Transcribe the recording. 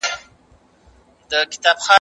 د جګړې خنډونه د صبر او زغم امتیازونه لري.